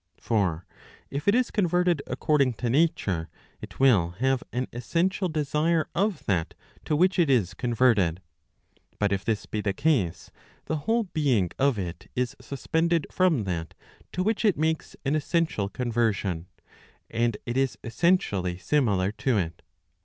For if it is converted according to nature, it will have an essential desire of that to which it is converted. But if this be the case, the* whole being of it is suspended from that to which it makes an essential conversion, and it is essentially similar to it.